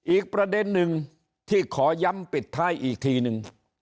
อีกประเด็นหนึ่งที่ขอย้ำปิดท้ายอีกทีนึง